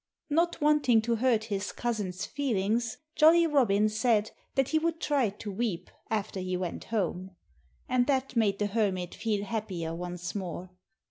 Not wanting to hurt his cousin's feelings, Jolly Robin said that he would try to weep after he went home. And that made the Hermit feel happier once more.